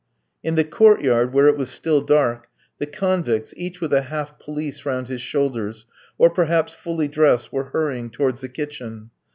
In the court yard, where it was still dark, the convicts, each with a half pelisse round his shoulders, or perhaps fully dressed, were hurrying towards the kitchen.